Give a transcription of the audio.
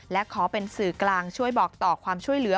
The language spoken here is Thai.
และขอเป็นสื่อกลางช่วยบอกต่อความช่วยเหลือ